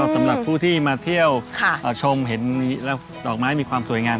สำหรับผู้ที่มาเที่ยวชมเห็นแล้วดอกไม้มีความสวยงาม